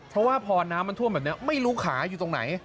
เพราะว่าพอน้ำมันท่วมแบบนี้ไม่รู้ขาอยู่ตรงไหน